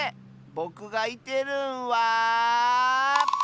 ぼくがいてるんは。